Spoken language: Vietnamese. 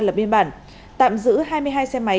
lập biên bản tạm giữ hai mươi hai xe máy